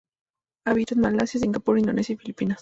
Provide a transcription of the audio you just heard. Habita en Malasia, Singapur, Indonesia y Filipinas.